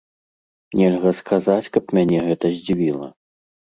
Нельга сказаць, каб мяне гэта здзівіла.